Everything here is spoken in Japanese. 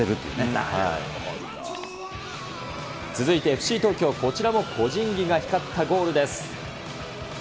続いてＦＣ東京、こちらも個人技が光ったゴールです。